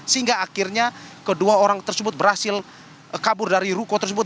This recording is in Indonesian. sehingga akhirnya kedua orang tersebut berhasil kabur dari ruko tersebut